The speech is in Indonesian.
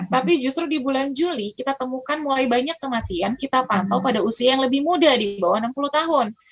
tapi justru di bulan juli kita temukan mulai banyak kematian kita pantau pada usia yang lebih muda di bawah enam puluh tahun